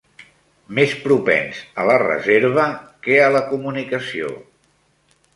Més propens a la reserva que a la comunicació